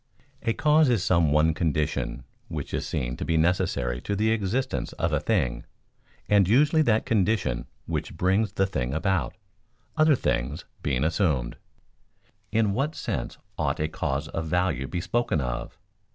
_ A cause is some one condition which is seen to be necessary to the existence of a thing, and usually that condition which brings the thing about, other things being assumed. In what sense ought a cause of value be spoken of?